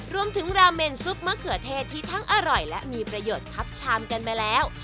ราเมนซุปมะเขือเทศที่ทั้งอร่อยและมีประโยชน์ทับชามกันมาแล้ว